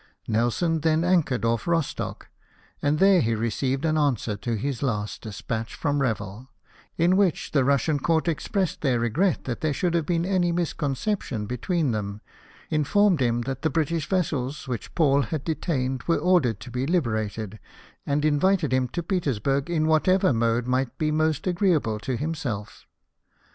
Nelson then anchored off Rostock ; and there he received an answer to his last despatch from Revel, in which the Russian Court expressed their regret that there should have been any misconception be tween them, informed him that the British vessels RETURN TO THE BALTIC. 250 which Paul had detained were ordered to be Hberated, and invited him to Petersburg in whatever mode might be most agreeable to himself.